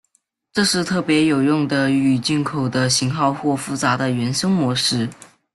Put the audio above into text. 这是特别有用的与进口的型号或复杂的原生模式。